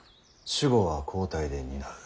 守護は交代で担う。